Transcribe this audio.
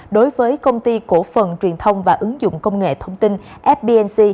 đối với công ty cổ phần truyền thông và ứng dụng công nghệ thông tin fbnc